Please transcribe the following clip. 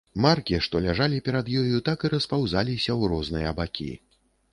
Маркі, што ляжалі перад ёю, так і распаўзаліся ў розныя бакі.